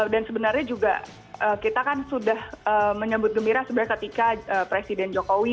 dan sebenarnya juga kita kan sudah menyebut gembira sebenarnya ketika presiden jokowi